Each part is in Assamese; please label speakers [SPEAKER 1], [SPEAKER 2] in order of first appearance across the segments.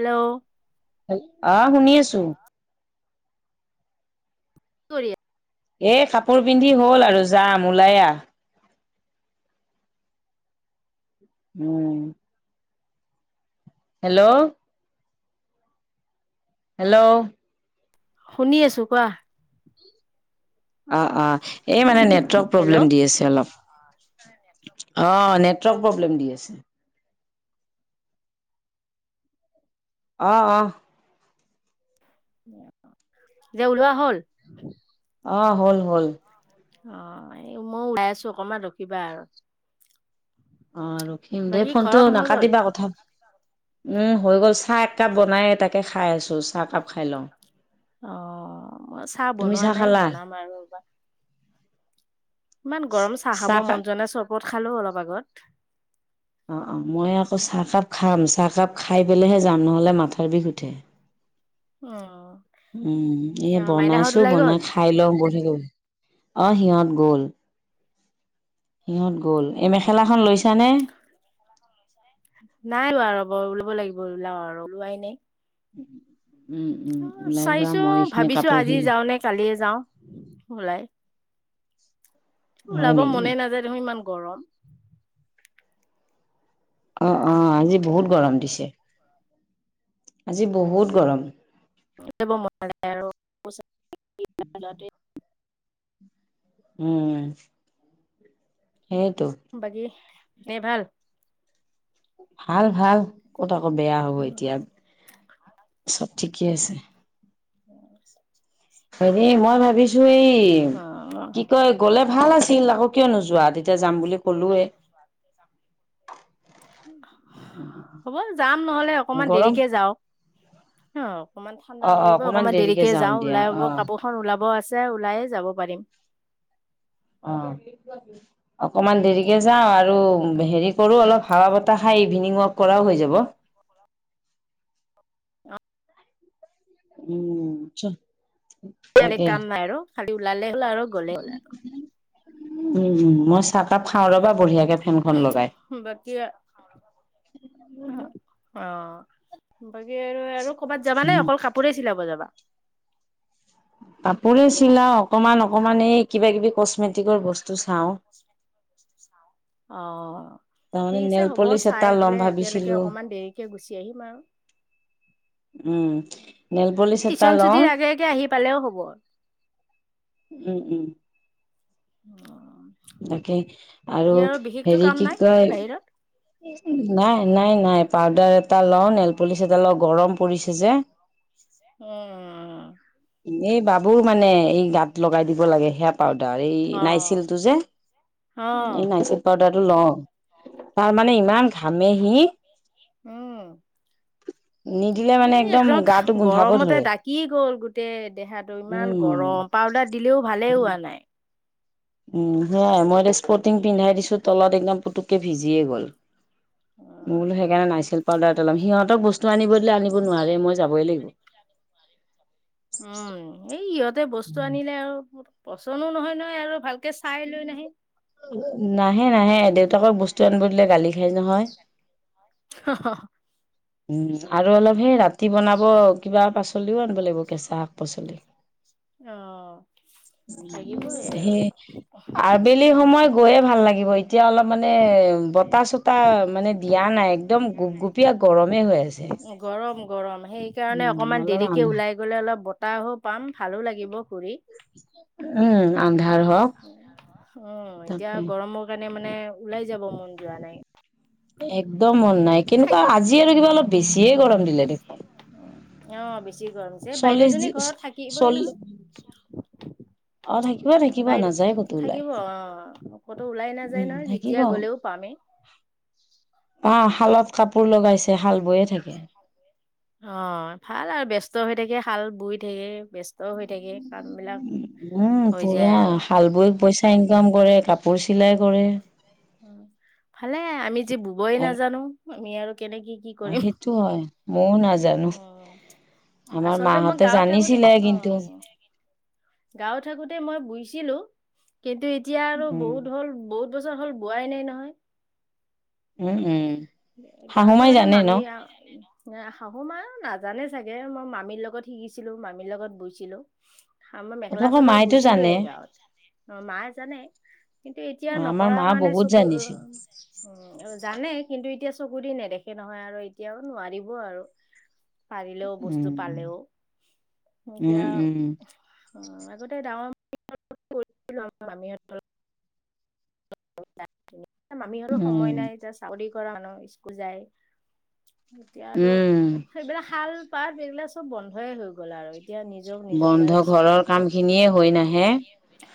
[SPEAKER 1] হেল্ল'
[SPEAKER 2] আহ শুনি আছো
[SPEAKER 1] কি কৰি
[SPEAKER 2] এ কাপোৰ পিন্ধি হ'ল আৰু যাম ওলাই আহ উম হেল্ল' হেল্ল'
[SPEAKER 1] শুনি আছো কোৱা,
[SPEAKER 2] অ অ এই মানে নেটৱৰ্ক
[SPEAKER 1] হেল্ল'
[SPEAKER 2] প্ৰব্লেম দি আছে অলপ। অ নেটৱৰ্ক প্ৰব্লেম দি আছে। অ অ
[SPEAKER 1] যে ওলোৱা হ'ল
[SPEAKER 2] অ হ'ল হ'ল।
[SPEAKER 1] অ এই মই ওলাই আছো অকমান ৰখিবা আৰু
[SPEAKER 2] অ ৰখিম দেই
[SPEAKER 1] বাকী ঘৰৰ
[SPEAKER 2] ফোনটো
[SPEAKER 1] কাম হৈ গ'ল
[SPEAKER 2] নাকাটিবা কথা উম হৈ গ'ল চাহ এক কাপ বনাই এ তাকে খাই আছো, চাহ একাপ খাই লওঁ
[SPEAKER 1] অ মই চাহ
[SPEAKER 2] তুমি
[SPEAKER 1] বনোৱা নাই
[SPEAKER 2] খালা
[SPEAKER 1] বনাম আৰু ৰবা ইমান গৰম চাহ খাব মন
[SPEAKER 2] চাহকাপ
[SPEAKER 1] যোৱা নাই চৰবত খালো অলপ আগত।
[SPEAKER 2] অ অ মই আকৌ
[SPEAKER 1] অ
[SPEAKER 2] চাহকাপ খাম, চাহকাপ খাই পেলাই হে যাম নহলে মাথাৰ বিষ উঠে।
[SPEAKER 1] অ
[SPEAKER 2] উম এ
[SPEAKER 1] মাইনাহঁত
[SPEAKER 2] বনাইছো
[SPEAKER 1] ওলাই গ'ল
[SPEAKER 2] বনাই খাই লওঁ বহি গ অহ সিহঁত গ'ল সিহঁত গ'ল হ'ল এই মেখেলাখন লৈছানে?
[SPEAKER 1] লাও আৰু ওলোৱাই নাই
[SPEAKER 2] উম উম
[SPEAKER 1] অ
[SPEAKER 2] ওলাই লোৱা
[SPEAKER 1] চাইছো
[SPEAKER 2] মই এইখিনি
[SPEAKER 1] ভাবিছো
[SPEAKER 2] কাপোৰ
[SPEAKER 1] আজি
[SPEAKER 2] খিনি
[SPEAKER 1] যাওঁ নে কালিয়ে যাওঁ ওলাই
[SPEAKER 2] হয়
[SPEAKER 1] ওলাব
[SPEAKER 2] নেকি?
[SPEAKER 1] মনে নাযায় দেখোন ইমান গৰম।
[SPEAKER 2] অ অ আজি
[SPEAKER 1] যাব
[SPEAKER 2] বহুত গৰম দিছে। আজি বহুত গৰম।
[SPEAKER 1] যাব মন যায় আৰু
[SPEAKER 2] উম সেইটো
[SPEAKER 1] বাকী ন ভাল?
[SPEAKER 2] ভাল ভাল ক'ত আক বেয়া হ'ব এতিয়া চব ঠিকেই আছে
[SPEAKER 1] [unintelligible]
[SPEAKER 2] এনে মই ভাবিছো এই
[SPEAKER 1] অ'
[SPEAKER 2] কি কয় গলে ভাল আছিল আকৌ কিয় নোযোৱা তেতিয়া যাম বুলি কলোয়ে।
[SPEAKER 1] হ'ব যাম নহলে অকমান
[SPEAKER 2] গৰম
[SPEAKER 1] দেৰিকে যাওক হ অকমান
[SPEAKER 2] অ
[SPEAKER 1] ঠাণ্ডা
[SPEAKER 2] অ
[SPEAKER 1] পৰিব,
[SPEAKER 2] অকমান
[SPEAKER 1] অকনমান দেৰিকে যাওঁ
[SPEAKER 2] দিয়া
[SPEAKER 1] ওলাব
[SPEAKER 2] অ
[SPEAKER 1] কাপোৰ খন ওলাবও আছ- তে ওলাইয়ে যাব পাৰিম।
[SPEAKER 2] অ, অকমান দেৰিকে যাওঁ আৰু হেৰি কৰোঁ অলপ হাৱা বতাহ খাই ইভিনিং ৱক কৰাও হৈ যাব। উম চে।
[SPEAKER 1] পিয়ালিত কাম নাই আৰু খালি ওলালে হ'ল আৰু গলেই হ'ল আৰু।
[SPEAKER 2] [unintelligible] উম, মই চাহ কাপ
[SPEAKER 1] অ'
[SPEAKER 2] খাওঁ ৰ'বা বঢ়িয়াকে ফেনখন লগাই।
[SPEAKER 1] বাকী অ, অ। বাকী আৰু আৰু ক'বাত যাবা নে অকল কাপোৰে চিলাব যাবা?
[SPEAKER 2] কাপোৰে চিলাও, অকমান অকমান এই কিবা-কিবি কচমেটিকৰ বস্তু চাওঁ।
[SPEAKER 1] [inaudible] অ।
[SPEAKER 2] তাৰমানে
[SPEAKER 1] ঠিক আছে
[SPEAKER 2] নেল
[SPEAKER 1] হ'ব
[SPEAKER 2] পলিচ এটা ল'ম
[SPEAKER 1] চাইপেলে একেলগে
[SPEAKER 2] ভাবিছিলো
[SPEAKER 1] অকমান দেৰিকে গুচি আহিম আৰু।
[SPEAKER 2] উম নেল পলিচ এটা
[SPEAKER 1] টিশন
[SPEAKER 2] লওঁ।
[SPEAKER 1] চুটিৰ আগে আগে আহি পালেও হ'ব।
[SPEAKER 2] উম, উম।
[SPEAKER 1] অ।
[SPEAKER 2] তাকে আৰু
[SPEAKER 1] বিশেষতো
[SPEAKER 2] হেৰি
[SPEAKER 1] কাম
[SPEAKER 2] কি
[SPEAKER 1] নাই
[SPEAKER 2] কয়?
[SPEAKER 1] বাহিৰত
[SPEAKER 2] নাই, নাই, নাই। পাউদাৰ এটা লওঁ, নেলপলিচ এটা লওঁ গৰম পৰিছে যে।
[SPEAKER 1] [unintelligible]
[SPEAKER 2] এই বাবুৰ মানে এই গাত লগাই দিব লাগে সেয়া পা- দাৰি
[SPEAKER 1] অ
[SPEAKER 2] নাইচিলটো যে,
[SPEAKER 1] অ
[SPEAKER 2] এই নাইচিল পাউদাৰটো লওঁ। তাৰমানে ইমান ঘামে হি।
[SPEAKER 1] এ একদম
[SPEAKER 2] গোন্ধাব
[SPEAKER 1] গৰমতে
[SPEAKER 2] ধৰে
[SPEAKER 1] ডাকি গ'ল গোটেই দেহাটো। ইমান
[SPEAKER 2] উম
[SPEAKER 1] গৰম। পাউদাৰ দিলেওঁ ভালে হোৱা নাই।
[SPEAKER 2] উ হেয়াই মই এতিয়া স্পৰ্টিং পিন্ধাই দিছোঁ তলত একদম পুতুককে ভিজিয়ে গ'ল। মোলো
[SPEAKER 1] উম
[SPEAKER 2] সেইকাৰণে নাইছিল পাউদাৰ এটা লম সিহঁতক বস্ত- টো আনিব দিলে আনিব নোৱাৰে মই যাবই লাগিব।
[SPEAKER 1] উম, এই ইহঁতে বস্তু আনিলে আৰু পচনো নহয় নহয় আৰু ভাল কে চাই লৈ নাহে।
[SPEAKER 2] হে নাহে দেউতাকৰ বস্তু আনিব দিলে গালি খাই যে মই।
[SPEAKER 1] অ-অ।
[SPEAKER 2] উম আৰু অলপ সেই ৰাতি বনাব কিবা পাচলিও আনিব লাগিব কেঁচা শাক পাচলি।
[SPEAKER 1] অ। লাগিবই
[SPEAKER 2] হে আবেলি সময় গৈয়ে ভাল লাগিব। এতিয়া অলপ মানে বতাহ-চতাহ মানে দিয়া না নাই একদম
[SPEAKER 1] আৰু
[SPEAKER 2] গোপ-গোপীয়া গৰমে হৈ আছে।
[SPEAKER 1] গৰম, গৰম। সেইকাৰণে
[SPEAKER 2] উম
[SPEAKER 1] অকমান
[SPEAKER 2] অলপ
[SPEAKER 1] দেৰিকে
[SPEAKER 2] আন্ধাৰ
[SPEAKER 1] ওলাই গ'লে অলপ বতাহো পাম। ভালো লাগিব ঘূৰি।
[SPEAKER 2] উম আন্ধাৰ হওঁক তাকে।
[SPEAKER 1] মানে মানে ওলাই যাব মন যোৱা নাই।
[SPEAKER 2] একদম মন নাই
[SPEAKER 1] থাক
[SPEAKER 2] কেনেকুৱা আজি আৰু কিবা অলপ বেছিয়ে গৰম দিলে দেখোন।
[SPEAKER 1] অ, বেছি গৰম হৈছে। এ
[SPEAKER 2] চল্লিশ
[SPEAKER 1] বাইদেউজনী ঘৰত থাকিবই
[SPEAKER 2] চল্লি
[SPEAKER 1] নহয়।
[SPEAKER 2] অ থাকি-
[SPEAKER 1] বাইদ- খাই দিব অ'। ক'তো ওলাই নাযায়
[SPEAKER 2] উম
[SPEAKER 1] নহয়,
[SPEAKER 2] থাকিব
[SPEAKER 1] যেতিয়া গ'লেও পামেই। [unintelligible]
[SPEAKER 2] অ' শালত কাপোৰ লগাইছে, শাল বৈ
[SPEAKER 1] অ' ভাল আৰু। ব্যস্ত হৈ থাকে, শাল বৈ থাকে। ব্যস্ত হৈ থাকে কামবিলাক হৈ যায় আৰু
[SPEAKER 2] তাই ইনকাম কৰে কাপোৰ চিলাই কৰে
[SPEAKER 1] ভালে আমি যে বুবই
[SPEAKER 2] আৰু
[SPEAKER 1] নাজানো আমি আৰু কেনেকে কি কৰিম
[SPEAKER 2] মও নাজা
[SPEAKER 1] উ আচলতে মই
[SPEAKER 2] মাহঁতে
[SPEAKER 1] গাঁৱত থাকোতে
[SPEAKER 2] জানিছিলে
[SPEAKER 1] অ
[SPEAKER 2] কিন্তু
[SPEAKER 1] গাঁৱত থাকোতে মই বুজিছিলো। কিন্তু এতিয়া আৰু
[SPEAKER 2] উম
[SPEAKER 1] বহুত হ'ল বহুত বছৰ হ'ল বোৱাই নাই নহয়।
[SPEAKER 2] উম উম শাহু
[SPEAKER 1] গাঁৱত
[SPEAKER 2] মাই
[SPEAKER 1] মানে
[SPEAKER 2] জানে ন
[SPEAKER 1] মামি শাহু মা নাজানে চাগে মই মামীৰ লগত শিকিছিলো মামীৰ লগত গৈছিলো মই মেখেলা
[SPEAKER 2] আপোনালোকৰ
[SPEAKER 1] চাদৰ
[SPEAKER 2] মাইতো জানে
[SPEAKER 1] বৈছিলোবে গাঁৱত অ মায়ে জানে। কিন্তু এতিয়া
[SPEAKER 2] অ আমাৰ
[SPEAKER 1] নকৰা
[SPEAKER 2] মা
[SPEAKER 1] কাৰণে
[SPEAKER 2] বহুত
[SPEAKER 1] চকু
[SPEAKER 2] জানিছিল
[SPEAKER 1] জানে কিন্তু এতিয়া চকুদি নেদখে নহয় আৰু এতিয়াও নোৱাৰিব আৰু। পাৰিলেও বস্তু
[SPEAKER 2] উম
[SPEAKER 1] পালেও
[SPEAKER 2] উম
[SPEAKER 1] এতিয়া
[SPEAKER 2] উম
[SPEAKER 1] আগতে ডাঙৰ মামিহঁত মামিহত সময়
[SPEAKER 2] উম
[SPEAKER 1] নাই এতিয়া চাকৰি কৰা মানুহ স্কুল যায় এতিয়া আৰু
[SPEAKER 2] উম
[SPEAKER 1] সেইবিলাক শাল পাত এইগিলা চব বন্ধই হৈ গ'ল আৰু। এতিয়া নিজক নিজক
[SPEAKER 2] বন্ধ
[SPEAKER 1] লৈয়ে ব্যস্ত
[SPEAKER 2] ঘৰৰ
[SPEAKER 1] হৈ গল
[SPEAKER 2] কাম খিনিয়ে হৈ নাহে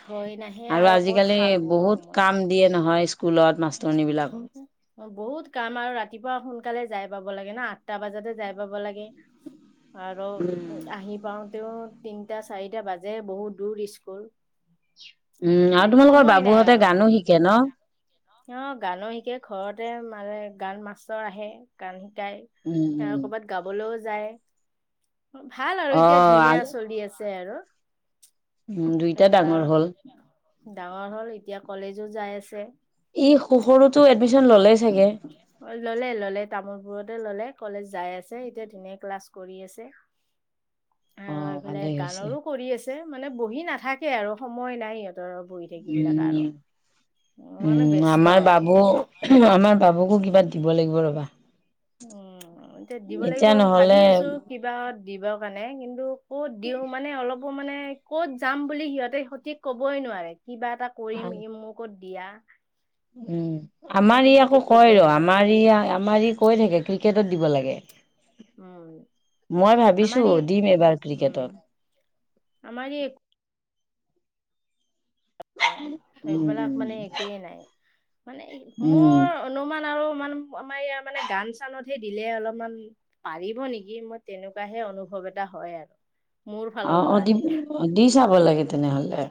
[SPEAKER 1] হয় নাহে আৰু ক'ত
[SPEAKER 2] আজিকালি
[SPEAKER 1] হাল ব
[SPEAKER 2] বহুত
[SPEAKER 1] সময়
[SPEAKER 2] কাম দিয়ে নহয় স্কুলত মাষ্টৰনিবিলাকৰ
[SPEAKER 1] বহুত কাম আৰু ৰাতিপুৱা সোনকালে যাই পাব লাগে ন আঠটা বজাতে যাই পাব লাগে আৰু
[SPEAKER 2] উম
[SPEAKER 1] আহি পাওঁতেও তিনিটা চাৰিটা বাজে বহুত দূৰ স্কুল
[SPEAKER 2] উম
[SPEAKER 1] সেই
[SPEAKER 2] আৰু তোমালোকৰ
[SPEAKER 1] সময় নাই
[SPEAKER 2] বাবুহঁতে
[SPEAKER 1] আৰু
[SPEAKER 2] গানো শিকে ন
[SPEAKER 1] অ গানো শিকে ঘৰতে মানে গান মাষ্টৰ আহে গান শিক গাই
[SPEAKER 2] উম উম
[SPEAKER 1] ক'ৰবাত গাবলৈও যায়। ভাল আৰু
[SPEAKER 2] অ
[SPEAKER 1] এতিয়া ধুনীয়া চলি আছে আৰু
[SPEAKER 2] উম দুইটা
[SPEAKER 1] এতিয়া
[SPEAKER 2] ডাঙৰ হ'ল।
[SPEAKER 1] ডাঙৰ হ'ল এতিয়া কলেজো যাই আছে
[SPEAKER 2] ই সৰুতো এডমিশন ললে চাগে
[SPEAKER 1] অ ললে ললে তামোলপুৰতে ললে। কলেজ যাই আছে এতিয়া ধুনীয়া ক্লাছ কৰি আছে
[SPEAKER 2] অ
[SPEAKER 1] আৰু এইফালে
[SPEAKER 2] ভালেই হৈছে
[SPEAKER 1] গানৰো কৰি আছে মানে বহি নাথাকে আৰু সময় নাই ইহঁত বহি থাকিবলে কাৰো
[SPEAKER 2] উম,
[SPEAKER 1] মানে
[SPEAKER 2] উম
[SPEAKER 1] ব্যস্ত
[SPEAKER 2] আমাৰ
[SPEAKER 1] আৰু
[SPEAKER 2] বাবু আমাৰ বাবুকো কিবা দিব লাগিব ৰবা
[SPEAKER 1] উম এতিয়া দিব লাগিব ভাবি আছো কিবা দিবৰ কাৰণে কিন্তু ক'ত দিওঁ মানে অলপো মানে ক'ত যাম বুলি সিহঁতে সঠিক ক'বই নোৱাৰে কিবা এটা কৰিম ই মোক কত দিয়া৷
[SPEAKER 2] উম আমাৰ
[SPEAKER 1] মানে
[SPEAKER 2] ই আকৌ
[SPEAKER 1] সঠিক
[SPEAKER 2] কয়
[SPEAKER 1] কবই
[SPEAKER 2] ৰ
[SPEAKER 1] নোৱাৰে
[SPEAKER 2] আমাৰ ই আমাৰ ই কৈ থাকে কি ক্ৰিকেটত দিব লাগে
[SPEAKER 1] উম
[SPEAKER 2] মই
[SPEAKER 1] আমাৰ
[SPEAKER 2] ভাবিছো
[SPEAKER 1] ই
[SPEAKER 2] দিম এবাৰ
[SPEAKER 1] উম
[SPEAKER 2] ক্ৰিকেটত
[SPEAKER 1] আমাৰ সেইবিলাক
[SPEAKER 2] উম,
[SPEAKER 1] মানে একোৱে নাই মানে
[SPEAKER 2] উম,
[SPEAKER 1] মোৰ অনুমান আৰু অলমান আমাৰ ইয়াৰ মানে গান চানতহে দিলে অলপমান পাৰিব নেকি মই তেনেকুৱা হে অনুভৱ ভব এটা হয় আৰু মোৰ ফালৰ
[SPEAKER 2] অহ অ
[SPEAKER 1] পৰাহে
[SPEAKER 2] দি-দি চাব লাগে তেনেহলে৷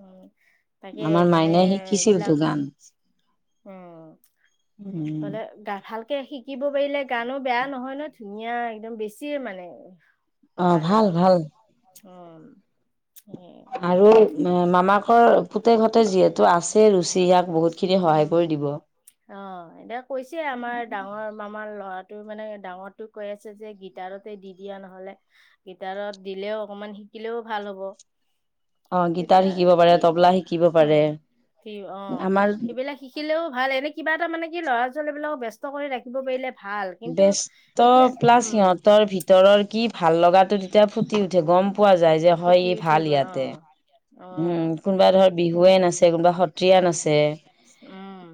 [SPEAKER 1] উ তাকে
[SPEAKER 2] আমাৰ
[SPEAKER 1] মানে
[SPEAKER 2] মাইনাই শিকিছিলতো
[SPEAKER 1] এইবিলাক
[SPEAKER 2] গান।
[SPEAKER 1] উম
[SPEAKER 2] উম,
[SPEAKER 1] হলে গা ভাল তাকে শিকিব পাৰিলে গানো বেয়া নহয় ন ধুনীয়া একদম বেছিয়ে মানে৷
[SPEAKER 2] অ
[SPEAKER 1] ভাল আৰু
[SPEAKER 2] ভাল-ভাল
[SPEAKER 1] উম উ
[SPEAKER 2] আৰু মামাকৰ পুতেক হঁতে যিহেতু আছে ৰুচি ইয়াক বহুতখিনি সহায়
[SPEAKER 1] উম
[SPEAKER 2] কৰি দিব।
[SPEAKER 1] অঃ এতিয়া কৈছে আমাৰ ডাঙৰ মামাৰ ল'ৰা টো মানে ডাঙৰোটো কৈ আছে যে গিটাৰতে দি দিয়া নহলে গিটাৰত দিলেও অকনমান শিকিলেও ভাল হ'ব৷
[SPEAKER 2] অ গীটাৰ
[SPEAKER 1] তেতিয়া
[SPEAKER 2] শিকিব পাৰে,
[SPEAKER 1] কি
[SPEAKER 2] তবলা শিকিব
[SPEAKER 1] হম কি অ
[SPEAKER 2] পাৰে৷ আমাৰ
[SPEAKER 1] সেইবিলাক শিকিলেও ভাল এনে কিবা এটা মানে কি ল'ৰা ছোৱালীবিলাকক ব্যস্ত কৰি ৰাখিব পাৰিলে ভাল কিন্তু
[SPEAKER 2] ব্যস্ত
[SPEAKER 1] এতিয়া
[SPEAKER 2] প্লাছ
[SPEAKER 1] উম
[SPEAKER 2] সিহঁতৰ ভিতৰৰ কি ভাল লগাটো তেতিয়া ফুটি উঠে গম পোৱা যায় যে হয়
[SPEAKER 1] ফুটি
[SPEAKER 2] ই
[SPEAKER 1] উঠিব
[SPEAKER 2] ভাল
[SPEAKER 1] অ অ
[SPEAKER 2] ইয়াতে৷ উম কোনোবা ধৰ বিহুৱে নাচে কোনোবা সত্ৰীয়া নাচে৷
[SPEAKER 1] উম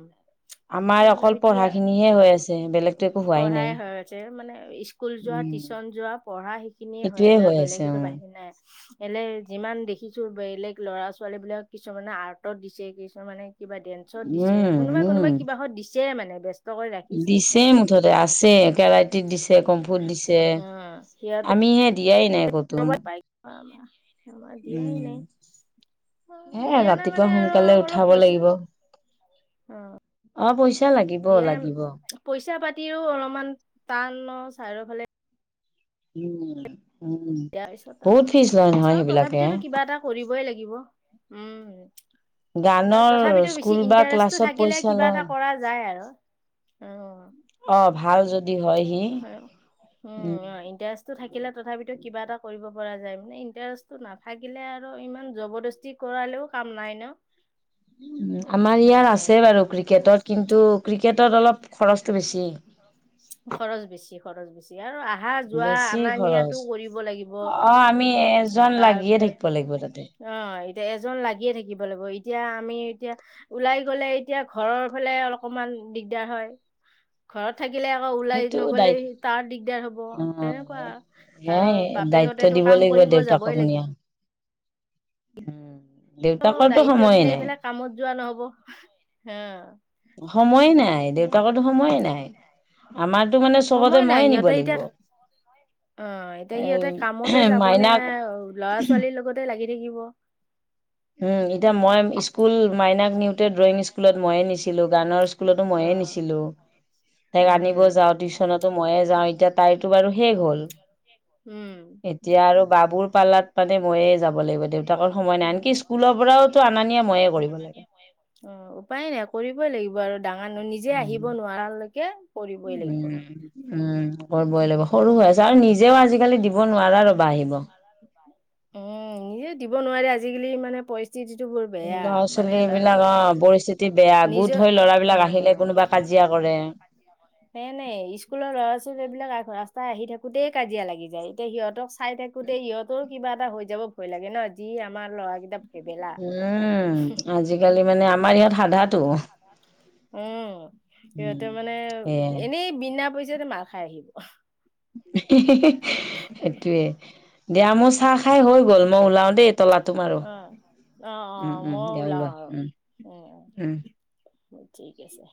[SPEAKER 2] আমাৰ
[SPEAKER 1] বোলো
[SPEAKER 2] অকল
[SPEAKER 1] এতিয়া
[SPEAKER 2] পঢ়াখিনিহে হৈ আছে বেলেগ
[SPEAKER 1] পঢ়াই হৈ আছে মানে স্কুল যোৱা
[SPEAKER 2] উম
[SPEAKER 1] টিউচন যোৱা পঢ়া সে সেখিনিয়ে হৈ আছে আৰু বেলেগেতো বাহিৰি নাই এনে যিমান দেখিছো বেলেগ ল'ৰা ছ ছোৱালী বিলাক কিছুমানে আৰ্টত দিছে কিছুমানে কিবা ডেন্সত দিছে
[SPEAKER 2] উম উম
[SPEAKER 1] কোনোবা-কোনোবা
[SPEAKER 2] উম
[SPEAKER 1] কিবাহত দিছে ছে মানে ব্যস্ত কৰি ৰাখিছেই৷
[SPEAKER 2] পছতে আছে কেৰাইটিত দিছে কমফুট দিছে
[SPEAKER 1] উম সিহঁতে
[SPEAKER 2] আমি সে দিয়াই নাই ক'তো৷
[SPEAKER 1] কৰবাত পাই আমাৰ দিয়াই
[SPEAKER 2] উম
[SPEAKER 1] নাই৷
[SPEAKER 2] এ
[SPEAKER 1] দিয়া নাই
[SPEAKER 2] ৰাতিপুৱা
[SPEAKER 1] মানে আৰু
[SPEAKER 2] সোনকালে
[SPEAKER 1] অলপ
[SPEAKER 2] উঠাব
[SPEAKER 1] পইচা
[SPEAKER 2] লাগিব৷
[SPEAKER 1] অ
[SPEAKER 2] অ পইচা লাগিব-লাগিব৷
[SPEAKER 1] তিও অলপমান টান চাৰিওঁফালে
[SPEAKER 2] উম উম
[SPEAKER 1] দিয়াৰ পিছত
[SPEAKER 2] বহুত ফিজ লয়
[SPEAKER 1] আ
[SPEAKER 2] নহয়
[SPEAKER 1] চাওঁ
[SPEAKER 2] সেইবিলাকে
[SPEAKER 1] তথাপিটো কিবা এটা কৰিবই লাগিব৷ লাগিব উম আৰু
[SPEAKER 2] গানৰ
[SPEAKER 1] তথাপিতো বেছি
[SPEAKER 2] স্কুল বা
[SPEAKER 1] ইণ্টাৰেষ্টটো
[SPEAKER 2] ক্লাছত
[SPEAKER 1] থাকিলে কিবা এটা কৰা যায় আৰু৷
[SPEAKER 2] অঁ ভাল যদি হয় সি
[SPEAKER 1] উম
[SPEAKER 2] উম
[SPEAKER 1] অঁ ইণ্টাৰেষ্ট থাকে থাকিলে তথাপিতো কিবা এটা কৰিব পৰা যায় মানে ইণ্টাৰেষ্টটো নাথাকিলে আৰু ইমান জবৰদস্তি কৰা ও কাম নাই ন?
[SPEAKER 2] আমাৰ ইয়াত
[SPEAKER 1] সেয়াই
[SPEAKER 2] আছে বাৰু ক্ৰিকেটত কিন্তু ক্ৰিকেট ত অলপ খৰচটো বেছি৷
[SPEAKER 1] [unintelligible] খৰচ বেছি খৰচ বেছি আৰু আহা যোৱা
[SPEAKER 2] বেছি
[SPEAKER 1] অনা
[SPEAKER 2] খৰচ
[SPEAKER 1] নিয়াতটো কৰিব লাগিব৷
[SPEAKER 2] অ আমি এজন লাগিয়ে থাকিব লাগিব তাতে৷
[SPEAKER 1] এ এজন লাগিয়ে থাকিব লাগিব এতিয়া আমি এতিয়া ওলাই গ'লে এতিয়া ঘৰৰ ফালে অকমান দিগদাৰ হয় ঘৰত থাকিলে আকৌ ওলাই
[SPEAKER 2] সেইটো
[SPEAKER 1] নগলে
[SPEAKER 2] দায়িত্ব
[SPEAKER 1] তাৰ দিগদাৰ হ'ব।
[SPEAKER 2] অ
[SPEAKER 1] তেনেকুৱা আৰু
[SPEAKER 2] সেয়াই দায়িত্ব
[SPEAKER 1] বাপেকহঁতেতো
[SPEAKER 2] দিব
[SPEAKER 1] ক।
[SPEAKER 2] লাগিব দেউতাকনীয়া। উম।
[SPEAKER 1] অ
[SPEAKER 2] দেউতাকৰতো
[SPEAKER 1] দায়িত্ব
[SPEAKER 2] সময়ে
[SPEAKER 1] দিলে
[SPEAKER 2] নাই
[SPEAKER 1] এইফালে কামত যোৱা নহব। হা
[SPEAKER 2] সময়ে নাই
[SPEAKER 1] সেইয়াই
[SPEAKER 2] দেউতাকতো সময়ে নাই। আমাৰতো মানে চবতে
[SPEAKER 1] সময় নাই
[SPEAKER 2] ময়ে নিব
[SPEAKER 1] সিহঁতে
[SPEAKER 2] লাগিব
[SPEAKER 1] এতিয়া। অঁ এতিয়া
[SPEAKER 2] এ
[SPEAKER 1] সিহঁতে কামতে যাব নে
[SPEAKER 2] মাইনাক
[SPEAKER 1] ল'ৰা ছোৱালীৰ লগতে লাগি। থাকিব।
[SPEAKER 2] উম, এতিয়া মই স্কুল মাইনাক নিউতে ড্ৰয়িং স্কুলত মইয়ে নিছিলো গানৰ। স্কুলতো
[SPEAKER 1] অ
[SPEAKER 2] মইয়ে নিছিলো, তাক আনিব
[SPEAKER 1] উম
[SPEAKER 2] যাওঁ টিউশচনতো ময়ে যাওঁ। য তটো বাৰু হেগ হ'ল।
[SPEAKER 1] উম।
[SPEAKER 2] এতিয়া আৰু বাবুৰ পাৰ্লাত মানে মইয়ে যাব লাগিব, দেউতাকৰ সময় নাই আনকি।
[SPEAKER 1] উম
[SPEAKER 2] স্কুলৰ পৰাওতো আনানিয়ে ময়ে কৰিব লাগে।
[SPEAKER 1] অ উপায় নাই কৰিবই লাগিব আৰু ডাঙৰ ন নিজে আহিব নোৱাৰালৈকে। কৰিবই
[SPEAKER 2] উম
[SPEAKER 1] লাগিব
[SPEAKER 2] উম, কৰিবই লাগি ব
[SPEAKER 1] উপায়
[SPEAKER 2] সৰু
[SPEAKER 1] নাই
[SPEAKER 2] হৈ আছে আৰু নিজেও আজিকালি দিব নোৱাৰা ৰবা। আহিব।
[SPEAKER 1] উম, নিজে দিব নোৱাৰে আজিকালি মানে পই।
[SPEAKER 2] ল'ৰা ছোৱালী বিলাক অ পৰিস্থিতি বেয়া
[SPEAKER 1] নিজৰ
[SPEAKER 2] গোট হৈ লৰাবিলাক আহিলে কোনোবা কাজিয়া তিয়া কৰে।
[SPEAKER 1] সে নাই স্কুলৰ ল'ৰা ছোৱালী বিলাক ৰাস্তাই আহি থাকোতেই কাজিয়া লাগি যায় এতিয়া সিহঁতক চাই থাকে। ইহতৰ কিবা এটা হৈ যাব ভয় লাগে ন যি আমাৰ ল'ৰাকেইটা ভেবেলা
[SPEAKER 2] উম আজিকালি মানে আমাৰ ইহাত সাধাটো।
[SPEAKER 1] উম, সিহঁতে মানে
[SPEAKER 2] সেয়াই
[SPEAKER 1] এনেই বিনা পইচাতে মাল খাই আহিব।
[SPEAKER 2] সেইটোৱে দিয়া মোৰ চাহ খাই হৈ গ'ল মই ওলাও দেই' তলাটো
[SPEAKER 1] উ
[SPEAKER 2] মাৰো
[SPEAKER 1] অ অ
[SPEAKER 2] উম উম
[SPEAKER 1] মই
[SPEAKER 2] দিয়া ওলোৱা
[SPEAKER 1] ওলাও আৰু
[SPEAKER 2] উম
[SPEAKER 1] উম।। ঠিক আছে।